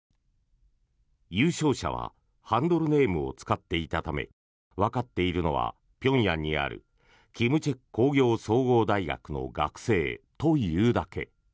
優勝者はハンドルネームを使っていたためわかっているのは平壌にある金策工業総合大学の学生というだけ。